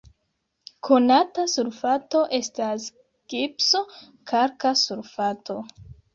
Konata sulfato estas gipso, kalka sulfato.